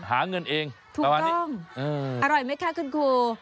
หาเงินเองประมาณนี้อร่อยไหมครับคุณครู